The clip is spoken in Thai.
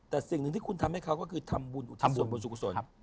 แต่สิ่งนึงที่คุณทำให้เขาก็คือทำบุญสุขส่วน